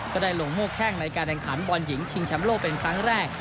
ก็ได้ลงโห้แค่งในการแรงขันบอลหญิงทิมชำโลกเป็นครั้งแรก